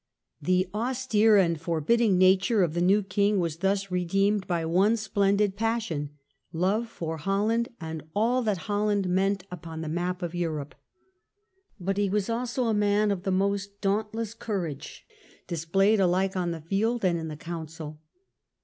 The austere and forbidding nature of the new king was thus redeemed by one splendid passion, love for Holland and all that Holland meant upon the map of ^jHiam and Europe. But he was also a man of the most his prospects dauntless courage, displayed alike on the field *" ^s^^T^d. and in the council.